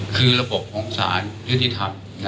คือระบบของสารยุติธรรม